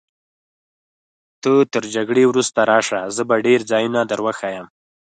ته تر جګړې وروسته راشه، زه به ډېر ځایونه در وښیم.